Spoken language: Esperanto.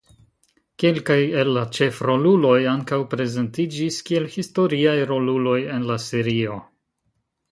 Kelkaj el la ĉefroluloj ankaŭ prezentiĝis kiel historiaj roluloj en la serio.